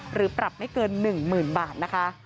หรือปรับไม่เกิน๑๐๐๐บาทนะคะ